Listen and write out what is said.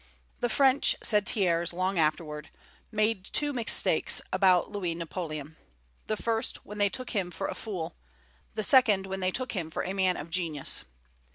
"The French," said Thiers, long afterward, "made two mistakes about Louis Napoleon, the first, when they took him for a fool; the second, when they took him for a man of genius."